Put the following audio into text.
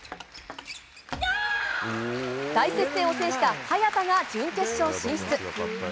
大接戦を制した早田が準決勝進出。